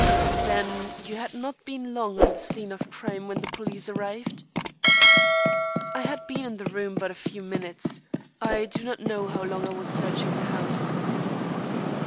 "Then, you had not been long on the scene of crime when the police arrived?" "I had been in the room but a few minutes. I do not know how long I was searching the house."